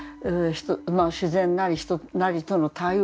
まあ自然なり人なりとの対応。